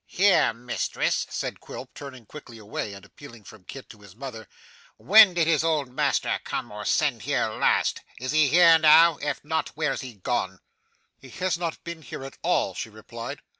'Here, mistress,' said Quilp, turning quickly away, and appealing from Kit to his mother. 'When did his old master come or send here last? Is he here now? If not, where's he gone?' 'He has not been here at all,' she replied.